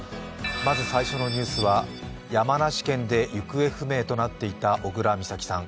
まず最初のニュースは山梨県で行方不明となっていた小倉美咲さん。